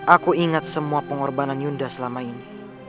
aku ingat semua pengorbanan yunda selama ini